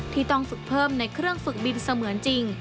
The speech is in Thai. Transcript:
ที่ต้องฝึกเพิ่มในเครื่องฝึกบินเสมือนจริง